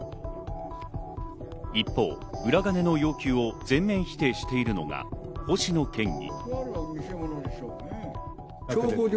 一方、裏金の要求を全面否定しているのが星野県議。